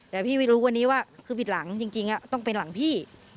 แต่พี่ไม่รู้วันนี้ว่าคือผิดหลังจริงต้องเป็นหลังพี่